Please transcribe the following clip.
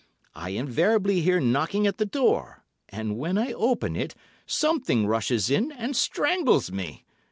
I invariably hear knocking at the door, and when I open it, something rushes in and strangles me.